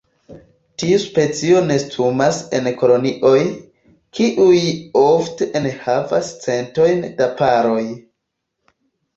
Tiu specio nestumas en kolonioj, kiuj ofte enhavas centojn da paroj.